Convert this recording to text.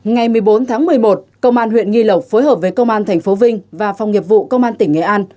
ngày một mươi bốn tháng một mươi một công an huyện nghi lộc phối hợp với công an tp vinh và phòng nghiệp vụ công an tỉnh nghệ an